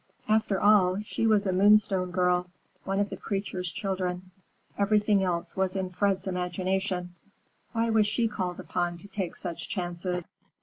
After all, she was a Moonstone girl, one of the preacher's children. Everything else was in Fred's imagination. Why was she called upon to take such chances?